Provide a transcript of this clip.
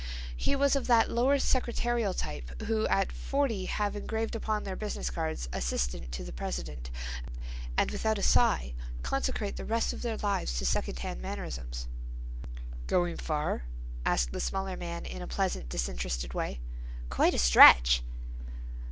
He was of that lower secretarial type who at forty have engraved upon their business cards: "Assistant to the President," and without a sigh consecrate the rest of their lives to second hand mannerisms. "Going far?" asked the smaller man in a pleasant disinterested way. "Quite a stretch."